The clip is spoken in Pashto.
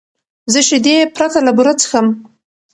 زه شیدې پرته له بوره څښم.